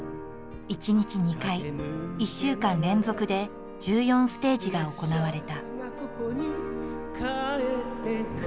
１日２回１週間連続で１４ステージが行われた。